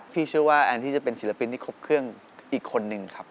เชื่อว่าแอนที่จะเป็นศิลปินที่ครบเครื่องอีกคนนึงครับ